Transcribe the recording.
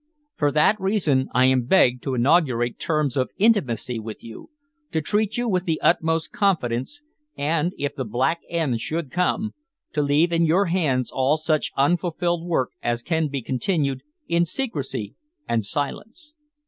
For that reason I am begged to inaugurate terms of intimacy with you, to treat you with the utmost confidence, and, if the black end should come, to leave in your hands all such unfulfilled work as can be continued in secrecy and silence.